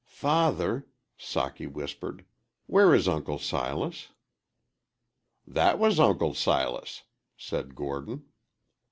"Father," Socky whispered, "where is Uncle Silas?" "That was Uncle Silas," said Gordon.